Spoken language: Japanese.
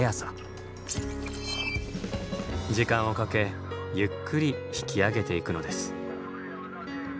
時間をかけゆっくり引き上げていくのです。